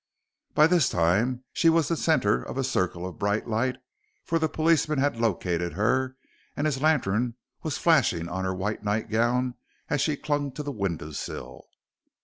By this time she was the centre of a circle of bright light, for the policeman had located her, and his lantern was flashing on her white nightgown as she clung to the window sill.